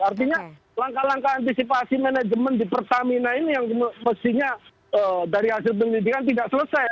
artinya langkah langkah antisipasi manajemen di pertamina ini yang mestinya dari hasil penyelidikan tidak selesai